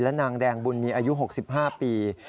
นางแดงบุญมีอายุ๖๕ปี